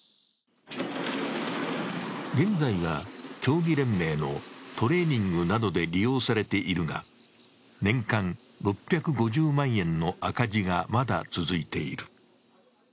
現在は競技連盟のトレーニングなどで利用されているが、年間６５０万円の赤字がまだ続いている。